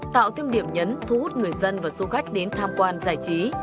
tạo thêm điểm nhấn thu hút người dân và du khách đến tham quan giải trí